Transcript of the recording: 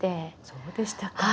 そうでしたか。